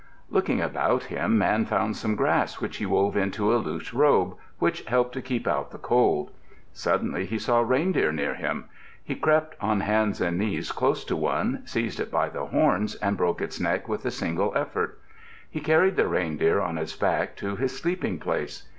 Looking about him, Man found some grass which he wove into a loose robe, which helped to keep out the cold. Suddenly he saw reindeer near him. He crept on hands and knees close to one, seized it by the horns and broke its neck with a single effort. He carried the reindeer on his back to his sleeping place.